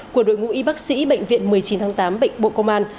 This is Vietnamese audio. của đội ngũ y bác sĩ bệnh viện một mươi chín tháng tám bệnh bộ công an